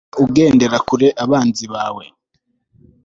jya ugendera kure abanzi bawe